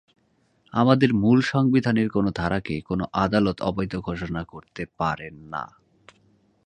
আমাদের মূল সংবিধানের কোনো ধারাকে কোনো আদালত অবৈধ ঘোষণা করতে পারেন না।